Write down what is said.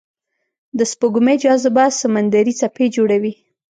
د سپوږمۍ جاذبه سمندري څپې جوړوي.